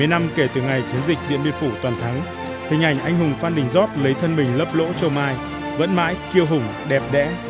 bảy mươi năm kể từ ngày chiến dịch điện biên phủ toàn thắng hình ảnh anh hùng phan đình giót lấy thân mình lấp lỗ châu mai vẫn mãi kiêu hùng đẹp đẽ